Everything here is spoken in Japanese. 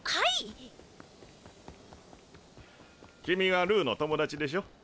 君はルーの友達でしょ？